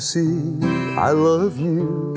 มีคนเดียว